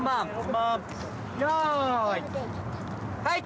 はい。